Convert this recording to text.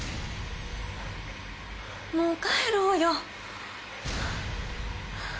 もう帰ろうよ